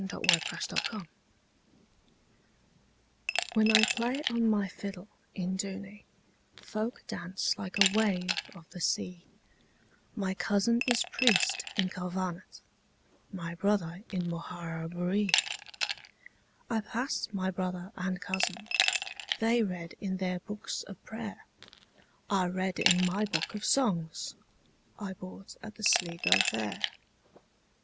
The Fiddler of Dooney WHEN I play on my fiddle in Dooney, Folk dance like a wave of the sea; My cousin is priest in Kilvarnet, My brother in Moharabuiee.I passed my brother and cousin:They read in their books of prayer;I read in my book of songsI bought at the Sligo fair.